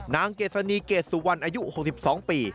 นางเกษณีเกษวัณอายุ๖๒ปี